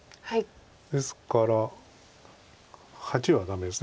ですから⑧はダメです。